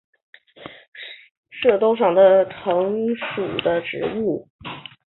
滇东杜根藤为爵床科杜根藤属的植物。